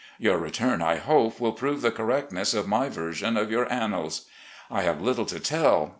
Your return, I hope, will prove the correctness of my version of your annals. ... I have little to tell.